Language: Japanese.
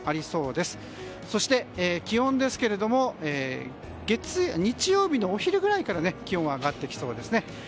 そして、気温ですけれども日曜日のお昼ぐらいから気温は上がってきそうですね。